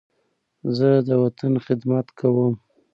زه د وطن خدمت کوم.